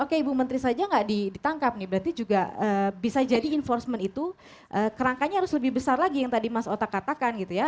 oke ibu menteri saja nggak ditangkap nih berarti juga bisa jadi enforcement itu kerangkanya harus lebih besar lagi yang tadi mas otak katakan gitu ya